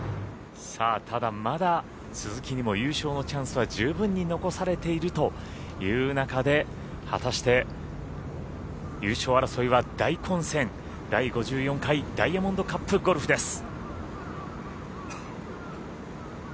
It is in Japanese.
ただ、まだ鈴木にも優勝のチャンスは十分に残されているという中で果たして、優勝争いは大混戦第５４回ダイヤモンドカップゴルフです。